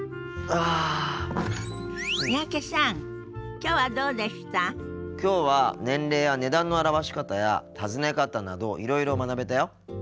きょうは年齢や値段の表し方や尋ね方などいろいろ学べたよ。